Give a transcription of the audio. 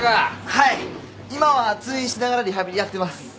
はい今は通院しながらリハビリやってます。